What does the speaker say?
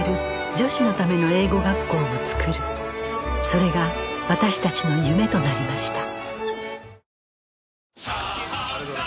それが私たちの夢となりました